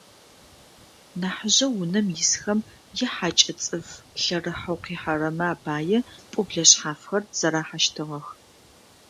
Нахьыжъэу унэм исхэм, е хьакӏэ, цӏыф лъэрыхьэу къихьэрэмэ апае пӏоблэ шъхьафхэр зэрахьэщтыгъэх.